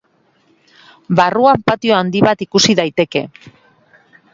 Barruan, patio handi bat ikus daiteke.